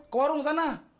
ke warung sana